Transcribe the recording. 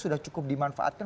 sudah cukup dimanfaatkan